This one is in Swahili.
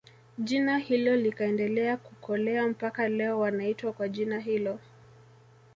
Jina hilo likaendelea kukolea mpaka leo wanaitwa kwa jina hilo